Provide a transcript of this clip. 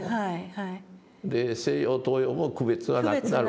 西洋東洋も区別はなくなるわけ。